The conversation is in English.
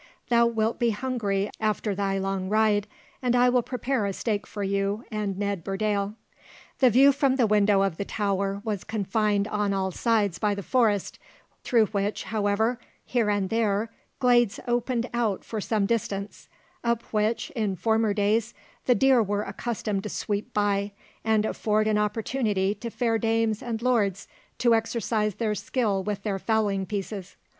"Thou wilt be hungry after thy long ride; and I will prepare a steak for you and Ned Burdale." The view from the window of the tower was confined on all sides by the forest, through which, however, here and there glades opened out for some distance, up which, in former days, the deer were accustomed to sweep by, and afford an opportunity to fair dames and lords to exercise their skill with their fowling pieces.